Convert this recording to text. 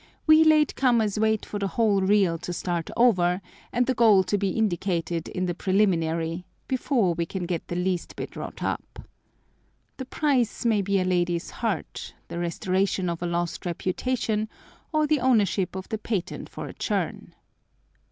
We late comers wait for the whole reel to start over and the goal to be indicated in the preliminary, before we can get the least bit wrought up. The prize may be a lady's heart, the restoration of a lost reputation, or the ownership of the patent for a churn.